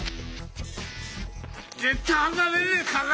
絶対離れねえからな！